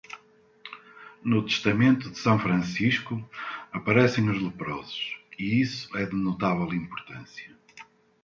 No Testamento de São Francisco, aparecem os leprosos, e isso é de notável importância.